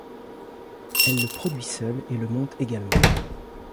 Elle le produit seule, et le monte également.